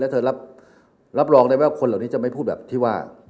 และเธอเรียบร้องได้ไหมว่าคนนี้จะไม่พูดแบบที่ไว่